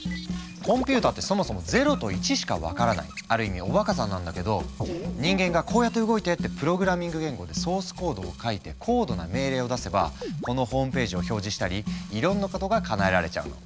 コンピューターってそもそも「０」と「１」しか分からないある意味おバカさんなんだけど人間が「こうやって動いて」ってプログラミング言語でソースコードを書いて高度な命令を出せばこのホームページを表示したりいろんなことがかなえられちゃうの。